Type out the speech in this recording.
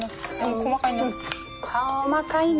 細かいね。